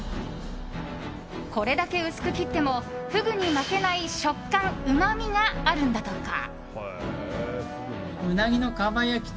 これだけ薄く切ってもフグに負けない食感、うまみがあるのだとか。